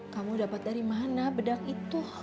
kamu dapat dari mana bedak itu